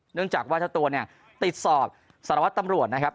เนื่องจากว่าเจ้าตัวเนี่ยติดสอบสารวัตรตำรวจนะครับ